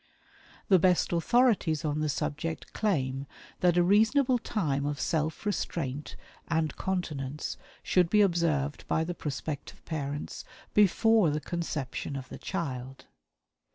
The best authorities on the subject claim that a reasonable time of self restraint and continence should be observed by the prospective parents before the conception of the child.